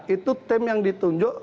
itu tim yang ditunjuk